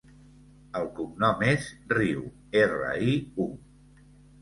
El cognom és Riu: erra, i, u.